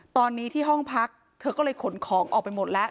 ตอนนี้ที่ห้องพักเธอก็เลยขนของออกไปหมดแล้ว